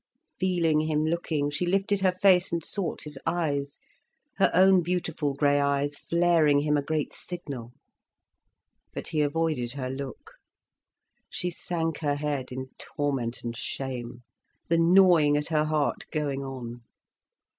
Feeling him looking, she lifted her face and sought his eyes, her own beautiful grey eyes flaring him a great signal. But he avoided her look, she sank her head in torment and shame, the gnawing at her heart going on.